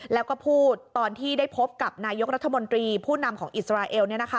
แล้วก็พูดตอนที่ได้พบกับนายกรัฐมนตรีผู้นำของอิสราเอล